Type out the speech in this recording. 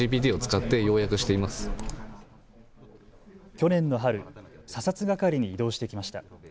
去年の春、査察係に異動してきました。